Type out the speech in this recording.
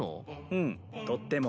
うんとっても。